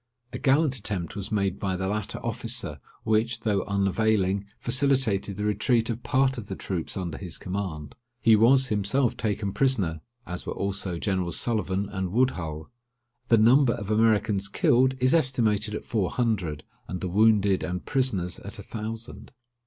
A gallant attempt was made by the latter officer, which, though unavailing, facilitated the retreat of part of the troops under his command. He was himself taken prisoner, as were also Generals Sullivan and Woodhull. The number of Americans killed is estimated at four hundred, and the wounded and prisoners at a thousand.